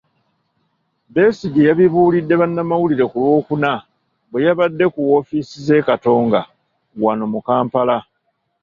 Besigye yabibuulidde bannamawulire ku Lwokuna bwe yabadde ku woofiisi z'e Katonga wano mu Kampala.